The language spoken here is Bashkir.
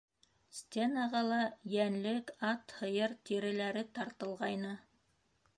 Стенаға ла йәнлек, ат, һыйыр тиреләре тартылғайны.